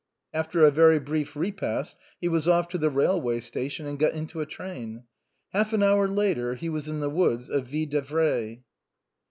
After a very brief repast he was off to the railway station, and got into a train. Half an hour later he was in the woods of Ville d'Avray.